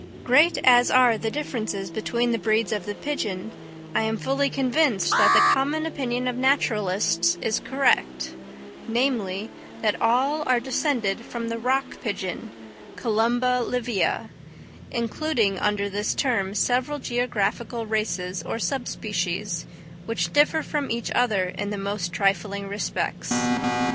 Great as are the differences between the breeds of the pigeon, I am fully convinced that the common opinion of naturalists is correct, namely, that all are descended from the rock pigeon (Columba livia), including under this term several geographical races or sub species, which differ from each other in the most trifling respects.